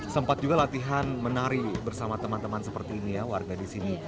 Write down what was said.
sempat juga latihan menari bersama teman teman seperti ini ya warga di sini